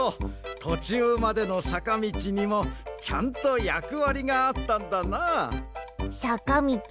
とちゅうまでのさかみちにもちゃんとやくわりがあったんだな。